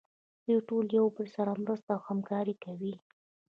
دوی ټول یو له بل سره مرسته او همکاري کوي.